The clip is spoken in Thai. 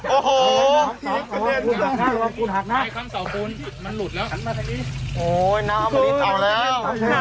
โอ้โหน้ำอมริตเอาแล้ว